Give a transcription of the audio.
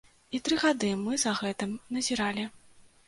І тры гады мы за гэтым назіралі.